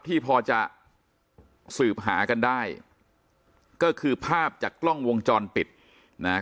ที่พอจะสืบหากันได้ก็คือภาพจากกล้องวงจรปิดนะฮะ